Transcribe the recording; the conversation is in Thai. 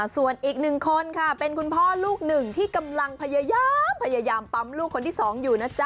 ส่วนอีกหนึ่งคนค่ะเป็นคุณพ่อลูกหนึ่งที่กำลังพยายามปั๊มลูกคนที่๒อยู่นะจ๊